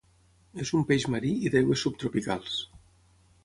És un peix marí i d'aigües subtropicals.